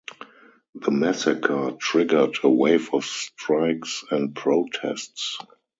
The massacre triggered a wave of strikes and protests.